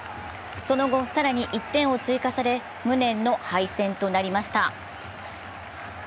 その後更に１点を追加され無念の敗戦となりました。